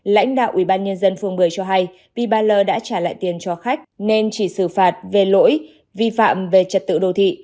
lãnh đạo ubnd phường bưởi cho hay vì bà l đã trả lại tiền cho khách nên chỉ xử phạt về lỗi vi phạm về trật tự đô thị